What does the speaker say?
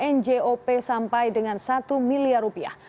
anggota perjuangannya mencapai satu miliar rupiah